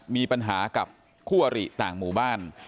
มีปัญหากับคู่อริต่างหมู่บ้าน